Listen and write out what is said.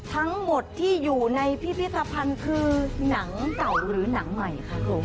ทั้งหมดที่อยู่ในพิพิธภัณฑ์คือหนังเก่าหรือหนังใหม่คะผม